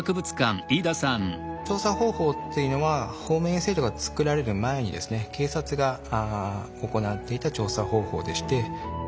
調査方法っていうのは方面委員制度が作られる前にですね警察が行っていた調査方法でして。